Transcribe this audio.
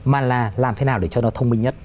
mà là làm thế nào để cho nó thông minh nhất